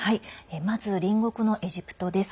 まず、隣国のエジプトです。